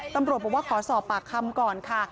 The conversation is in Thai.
ตำรวจบอกว่าขอสอบปากคำก่อนค่ะ